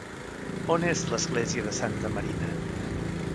On és l'església de Santa Marina?